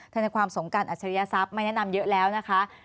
ทนายความสงกรรณอาชริยศัพท์ไม่แนะนำเยอะแล้วนะคะ